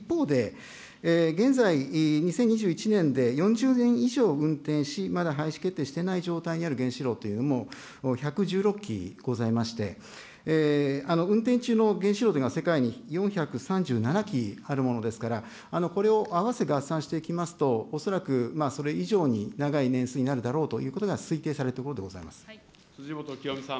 一方で、現在２０２１年で４０年以上運転し、まだ廃止決定していない状態にある原子炉というのも１１６基ございまして、運転中の原子炉は世界に４３７基あるものですから、これを合わせ合算していきますと、恐らくそれ以上に長い年数になるだろうということが推定されてい辻元清美さん。